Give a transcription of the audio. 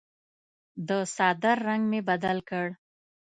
د څادر رنګ مې بدل کړ.